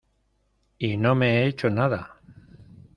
¡ y no me he hecho nada!